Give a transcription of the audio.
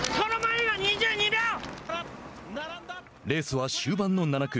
レースは終盤の７区。